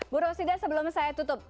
buru sidah sebelum saya tutup